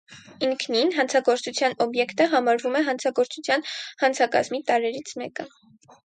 Ինքնին, հանցագործության օբյեկտը համարվում է հանցագործության հանցակազմի տարրերից մեկը։